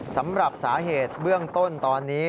สำหรับสาเหตุเบื้องต้นตอนนี้